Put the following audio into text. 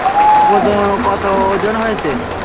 কত ওজন হয়েছে?